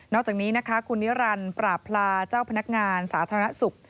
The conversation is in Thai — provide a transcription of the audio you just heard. จากนี้นะคะคุณนิรันดิ์ปราบพลาเจ้าพนักงานสาธารณสุข